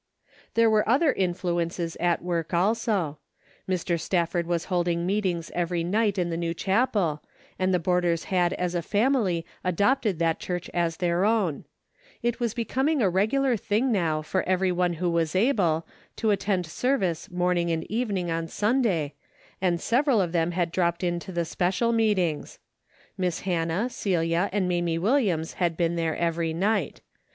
There were other influences at work also. Mr. Stafford was holding meetings every night in the new chapel, and the boarders had as a family adopted, that church as their own. It Avas becoming a regular thing now for every one Avho was able, to attend service morning A DAILY RATE.'' 303 and evening on Sunday, and several of them had dropped in to the special meetings. Miss Hannah, Celia, and Mamie Williams had been there every night.